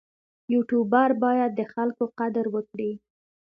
یوټوبر باید د خلکو قدر وکړي.